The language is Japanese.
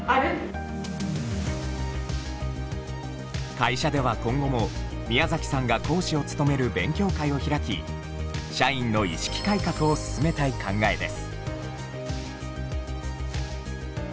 会社では今後も宮さんが講師を務める勉強会を開き社員の意識改革を進めたい考えです。